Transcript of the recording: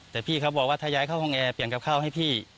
แต่พี่เขาบอกว่าถ้าย้ายเข้าห้องแอร์เปลี่ยนกับข้าวให้พี่